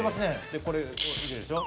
でこれこう入れるでしょ。